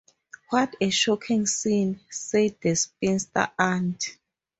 ‘What a shocking scene!’ said the spinster aunt.